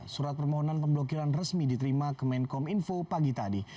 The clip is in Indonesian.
surat permohonan pemblokiran resmi diterima kemenkom info pagi tadi